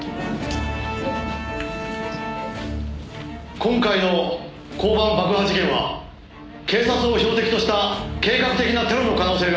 「今回の交番爆破事件は警察を標的とした計画的なテロの可能性がある」